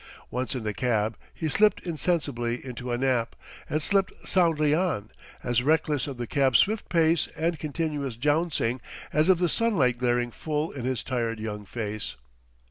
Once in the cab he slipped insensibly into a nap, and slept soundly on, as reckless of the cab's swift pace and continuous jouncing as of the sunlight glaring full in his tired young face.